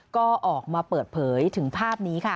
ก็ออกมาเปิดเผยถึงภาพนี้ค่ะ